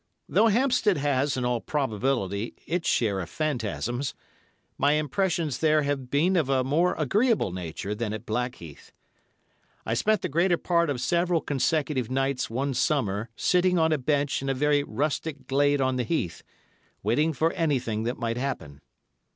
Though Hampstead has, in all probability, its share of phantasms, my impressions there have been of a more agreeable nature than at Blackheath. I spent the greater part of several consecutive nights one summer sitting on a bench in a very rustic glade on the heath, waiting for anything that might happen.